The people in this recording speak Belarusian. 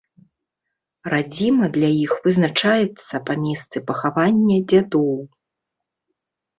Радзіма для іх вызначаецца па месцы пахавання дзядоў.